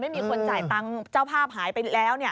ไม่มีคนจ่ายตังค์เจ้าภาพหายไปแล้วเนี่ย